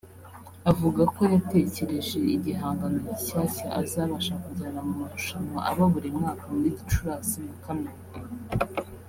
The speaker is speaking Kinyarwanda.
Avuga ko yatekereje igihangano gishyashya azabasha kujyana mu marushanwa aba buri mwaka muri Gicurasi na Kamena